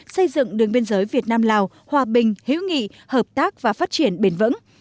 xây dựng đường biên giới việt nam lào hòa bình hữu nghị hợp tác và phát triển bền vững